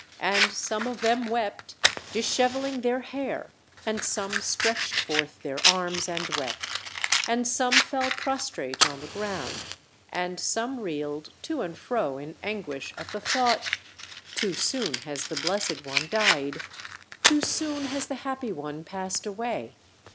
And some of them wept, dishevelling their hair, and some stretched forth their arms and wept, and some fell prostrate on the ground, and some reeled to and fro in anguish at the thought: "Too soon has the Blessed One died! Too soon has the Happy One passed away!